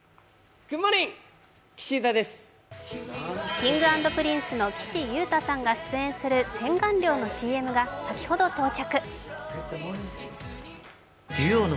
Ｋｉｎｇ＆Ｐｒｉｎｃｅの岸優太さんが出演する洗顔料のＣＭが先ほど到着。